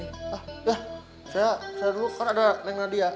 hah ya saya dulu kan ada neng nadia